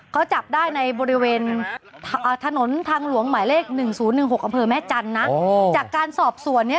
เขาจับได้ในบริเวณถนนทางหลวงหมายเลข๑๐๑๖อำเภอแม่จันทร์นะจากการสอบสวนเนี่ย